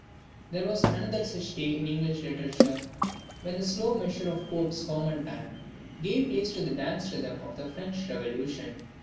There was another such day in English literature when the slow measure of Pope's common time gave place to the dance rhythm of the French revolution.